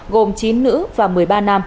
gồm chín nữ và một mươi ba nam